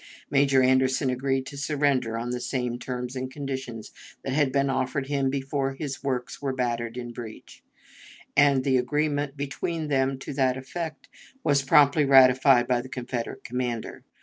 Major Anderson agreed to surrender on the same terms and conditions that had been offered him before his works were battered in breach, and the agreement between them to that effect was promptly ratified by the Confederate commander.